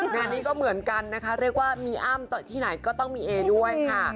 งานนี้ก็เหมือนกันนะคะเรียกว่ามีอ้ำต่อที่ไหนก็ต้องมีเอด้วยค่ะ